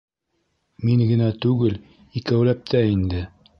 — Мин генә түгел, икәүләп тә инде...